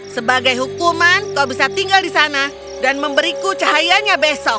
sebagai hukuman kau bisa tinggal di sana dan memberiku cahayanya besok